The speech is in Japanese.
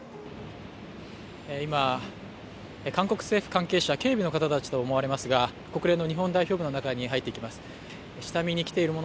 今、韓国政府関係者警備の方たちとみられますが国連の日本代表部の中に入っていきます。